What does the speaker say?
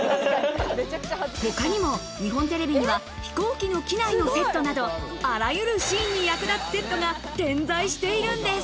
他にも日本テレビには飛行機の機内のセットなど、あらゆるシーンに役立つセットが点在しているんです。